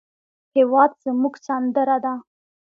هېواد زموږ سندره ده